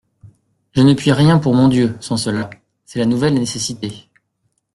Je ne puis rien pour mon Dieu, sans cela: c'est la nouvelle nécessité.